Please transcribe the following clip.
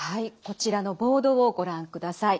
こちらのボードをご覧ください。